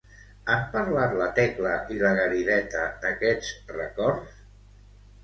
Han parlat la Tecla i la Garideta d'aquests records?